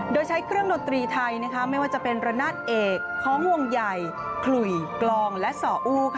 โดยใช้เครื่องดนตรีไทยไม่ว่าจะเป็นระนาดเอกของวงใหญ่ขลุยกลองและส่ออู้